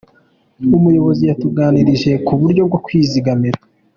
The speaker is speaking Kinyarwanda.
umuyobozi yatuganirije kuburyo bwo kwizigamira.